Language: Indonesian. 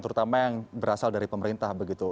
terutama yang berasal dari pemerintah begitu